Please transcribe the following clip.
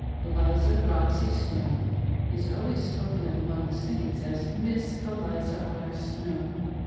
Eliza Roxy Snow, is always spoken of among the Saints as Miss Eliza R. Snow.